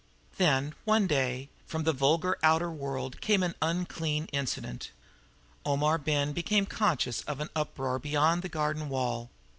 Then, one day, from the vulgar outer world came an unclean incident. Omar Ben became conscious of an uproar beyond the garden wall.